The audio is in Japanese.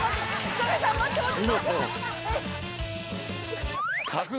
草刈さん待って待って！